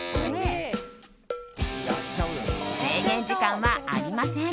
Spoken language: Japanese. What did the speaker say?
制限時間はありません。